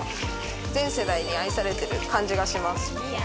全世代に愛されてる感じがします。